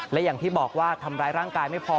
และอย่างที่บอกว่าทำร้ายร่างกายไม่พอ